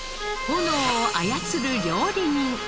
炎を操る料理人。